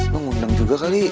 lo ngundang juga kali